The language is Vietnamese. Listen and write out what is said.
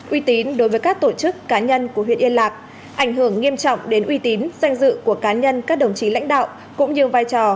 uy tín đối với các tổ chức cá nhân của huyện yên lạc ảnh hưởng nghiêm trọng đến uy tín danh dự của cá nhân các đồng chí lãnh đạo cũng như vai trò